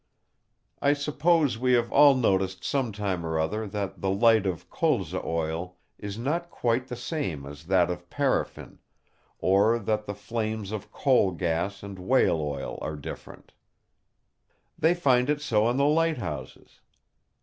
I suppose we have all noticed some time or other that the light of colza oil is not quite the same as that of paraffin, or that the flames of coal gas and whale oil are different. They find it so in the light houses!